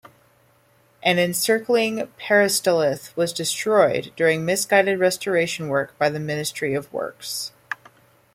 An encircling peristalith was destroyed during misguided restoration work by the Ministry of Works.